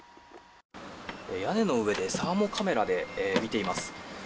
屋根の上でサーモカメラで見ています。